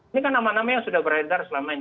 ini kan nama nama yang sudah beredar selama ini